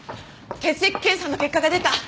血液検査の結果が出た。